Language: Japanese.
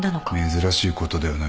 珍しいことではない。